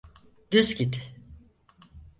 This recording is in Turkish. Düz git!